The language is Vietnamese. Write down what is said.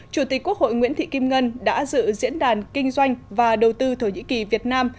chủ tịch quốc hội nguyễn thị kim ngân đã dự diễn đàn kinh doanh và đầu tư thổ nhĩ kỳ việt nam